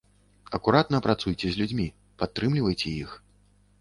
Акуратна працуйце з людзьмі, падтрымлівайце іх.